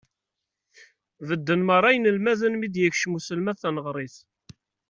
Bedden merra yinelmaden mi d-yekcem uselmad taneɣrit.